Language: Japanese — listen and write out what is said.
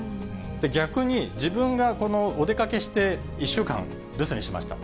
逆に自分がお出かけして１週間留守にしました。